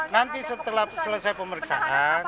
nanti setelah selesai pemeriksaan